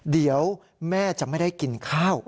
เดี๋ยวแม่จะไม่ได้กินข้าว